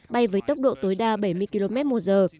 bay với tốc độ tối đa bảy mươi km một giờ